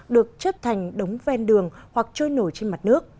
được chất thành đống ven đường hoặc trôi nổi trên mặt nước